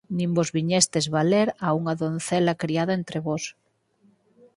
Nin vós viñestes valer a unha doncela criada entre vós.